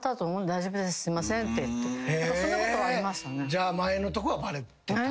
じゃあ前のとこはバレてたんすね。